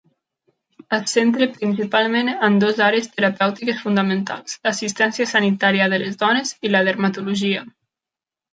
Se centra principalment en dues àrees terapèutiques fonamentals: l'assistència sanitària de les dones i la dermatologia.